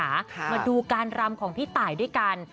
มาดูการรำของพี่ตายด้วยกัน